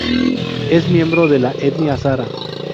Es miembro de la etnia sara.